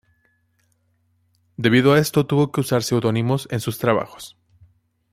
Debido a esto, tuvo que usar seudónimos en sus trabajos.